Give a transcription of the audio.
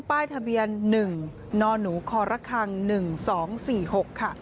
ป้ายทะเบียน๑นหนูคระคัง๑๒๔๖ค่ะ